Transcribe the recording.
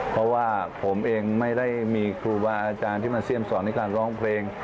เพราะว่าผมเองไม่ได้มีครูบาอาจารย์ที่มาเสี่ยมสอนในการร้องเพลง